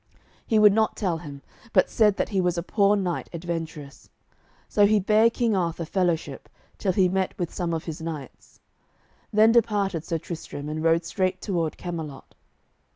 He would not tell him, but said that he was a poor knight adventurous. So he bare King Arthur fellowship, till he met with some of his knights. Then departed Sir Tristram, and rode straight toward Camelot.